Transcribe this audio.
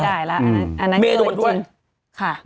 ตายแล้วอันนั้นคือจริงค่ะ